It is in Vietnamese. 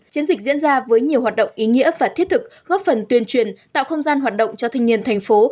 chiến dịch diễn ra với nhiều hoạt động ý nghĩa và thiết thực góp phần tuyên truyền tạo không gian hoạt động cho thanh niên thành phố